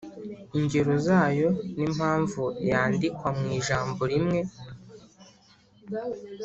Ingero zayo n’impamvu yandikwa mu ijambo rimwe